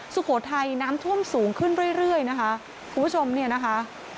สุโขทัยน้ำท่วมสูงขึ้นเรื่อยเรื่อยนะคะคุณผู้ชมเนี่ยนะคะ